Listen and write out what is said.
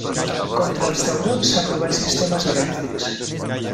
Contra els taurons s'ha provat sistemes elèctrics.